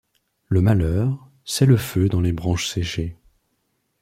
Le malheur, c'est le feu dans les branches séchées.